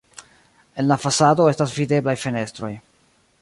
En la fasado estas videblaj fenestroj.